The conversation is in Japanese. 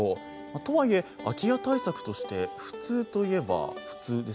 とはいえ、空き家対策として普通といえば普通。